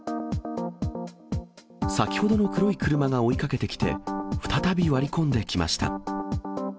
先ほどの黒い車が追いかけてきて、再び割り込んできました。